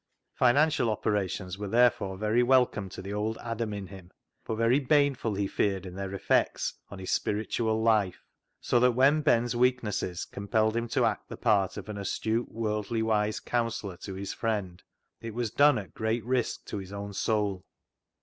Financial operations were therefore very welcome to the old Adam in him, but very baneful, he feared, in their effects on his spiritual life, so that when Ben's weaknesses compelled him to act the part of an astute worldly wise counsellor to his friend, it was done at great risk to his own soul.